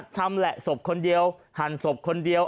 ชำแหละศพคนเดียวหั่นศพคนเดียว